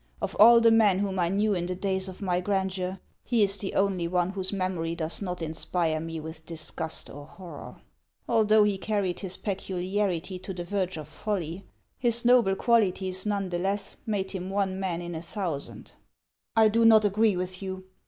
Of all the men whom 1 knew in the days of my grandeur, he is the only one whose memory does not inspire me with disgust or horror. Although he carried his peculiarity to the verge of folly, his noble qualities, none the less, made him one man in a thousand." " I do not agree with you.